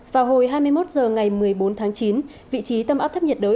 vào hồi hai mươi một h ngày một mươi bốn tháng chín vị trí tâm áp thấp nhiệt đới